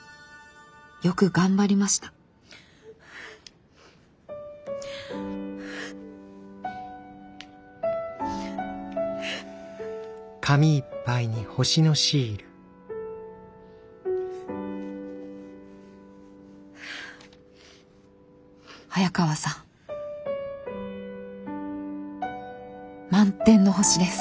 よく頑張りました早川さん満天の星です！